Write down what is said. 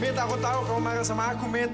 mita aku tahu kamu marah sama aku mita